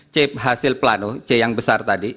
c hasil plano c yang besar tadi